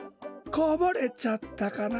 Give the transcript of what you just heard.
こぼれちゃったかな。